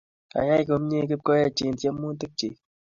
Kayai komnye Kipkoech eng' tyemutik chik